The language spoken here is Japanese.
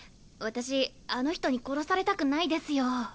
私あの人に殺されたくないですよ。